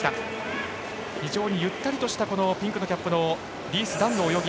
非常にゆったりとしたピンクのキャップリース・ダンの泳ぎ。